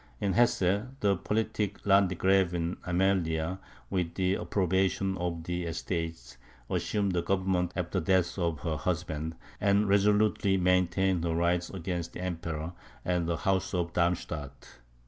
In Hesse, the politic Landgravine Amelia had, with the approbation of the Estates, assumed the government after the death of her husband, and resolutely maintained her rights against the Emperor and the House of Darmstadt.